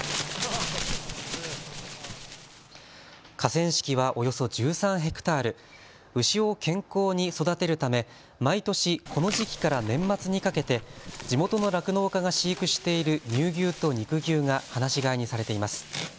河川敷はおよそ１３ヘクタール、牛を健康に育てるため毎年この時期から年末にかけて地元の酪農家が飼育している乳牛と肉牛が放し飼いにされています。